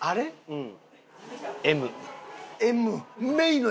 うん。